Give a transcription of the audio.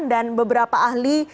dan beberapa ahli